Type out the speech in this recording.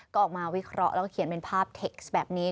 ก็ออกมาวิเคราะห์แล้วก็เขียนเป็นภาพเท็กซ์แบบนี้